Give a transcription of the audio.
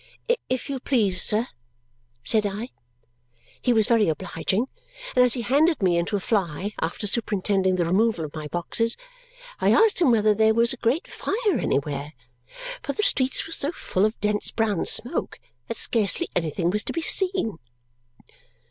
"If you please, sir," said I. He was very obliging, and as he handed me into a fly after superintending the removal of my boxes, I asked him whether there was a great fire anywhere? For the streets were so full of dense brown smoke that scarcely anything was to be seen.